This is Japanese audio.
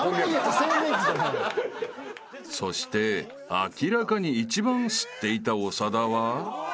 ［そして明らかに一番吸っていた長田は］